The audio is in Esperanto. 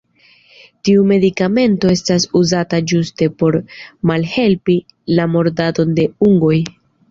Tiu medikamento estas uzata ĝuste por malhelpi la mordadon de ungoj.